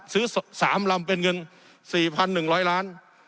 ซื้อ๓ลำเป็นเงิน๔๑๐๐ล้าน